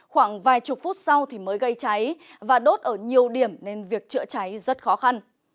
khoảng vài chục phút sau thì mới gây cháy và đốt ở nhiều điểm nên việc chữa cháy rất khó khăn